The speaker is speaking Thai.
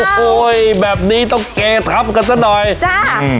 โอ้โฮแบบนี้ต้องเกย์ครับกันสักหน่อยจะอืม